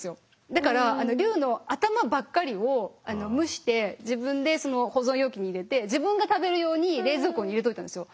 だから龍の頭ばっかりを蒸して自分で保存容器に入れて自分が食べる用に冷蔵庫に入れといたんですよ。